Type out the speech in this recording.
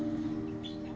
makan menscik pedagang